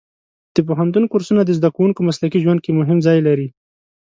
د پوهنتون کورسونه د زده کوونکو مسلکي ژوند کې مهم ځای لري.